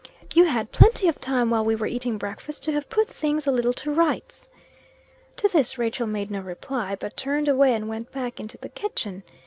"You had plenty of time while we were eating breakfast to have put things a little to rights!" To this Rachel made no reply, but turned away and went back into the kitchen.